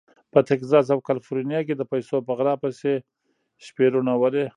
په تګزاس او کالیفورنیا کې د پیسو په غلا پسې شپې روڼولې.